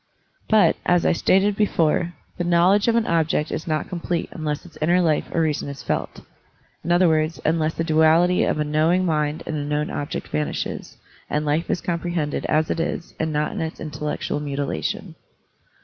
But, as I stated before, the knowl edge of an object is ndt complete unless its inner life or reason is felt; in other words, unless the duality of a knowing mind and a known object vanishes, and life is comprehended as it is and not in its intellectual mutilation.